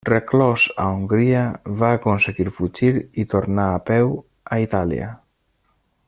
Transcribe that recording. Reclòs a Hongria, va aconseguir fugir i tornà a peu a Itàlia.